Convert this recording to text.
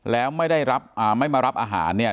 แล้วไม่ได้รับไม่มารับอาหารเนี่ย